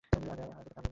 আজ আর তাকে আনলুম না।